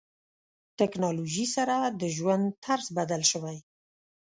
ټکنالوژي سره د ژوند طرز بدل شوی.